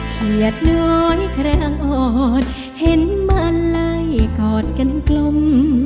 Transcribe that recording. เคียดน้อยแคลงอ่อนเห็นมาลัยกอดกันกลม